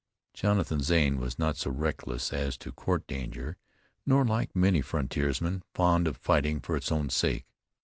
Jonathan Zane was not so reckless as to court danger, nor, like many frontiersmen, fond of fighting for its own sake.